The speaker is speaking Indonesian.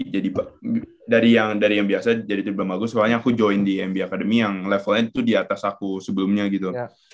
jadi dari yang biasa jadi terbilang bagus soalnya aku join di nb academy yang levelnya tuh di atas aku sebelumnya gitu